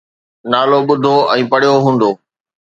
نالو ٻڌو ۽ پڙهيو هوندو